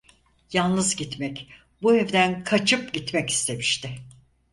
Yalnız gitmek, bu evden kaçıp gitmek istemişti…